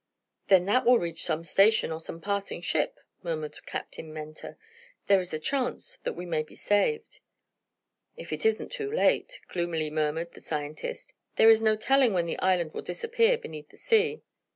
"Then that will reach some station, or some passing ship," murmured Captain Mentor. "There is a chance that we may be saved." "If it isn't too late," gloomily murmured the scientist. "There is no telling when the island will disappear beneath the sea."